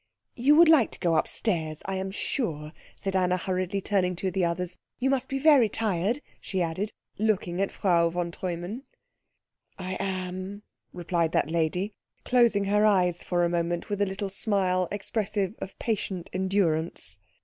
"You would like to go upstairs, I am sure," said Anna hurriedly, turning to the others. "You must be very tired," she added, looking at Frau von Treumann. "I am," replied that lady, closing her eyes for a moment with a little smile expressive of patient endurance.